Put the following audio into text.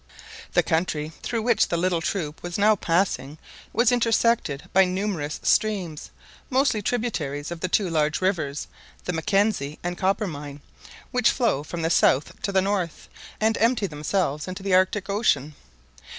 The country through which the little troop was now passing was intersected by numerous streams, mostly tributaries of the two large rivers, the Mackenzie and Coppermine, which flow from the south to the north, and empty themselves into the Arctic Ocean.